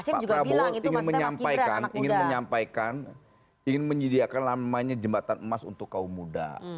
pak prabowo ingin menyampaikan ingin menyediakan namanya jembatan emas untuk kaum muda